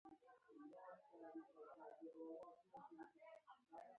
دا تعریف د انسان لپاره وضع شوی دی